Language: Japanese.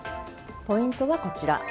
ポイントはこちら。